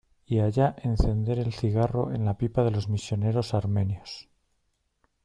y allá encender el cigarro en la pipa de los misioneros armenios.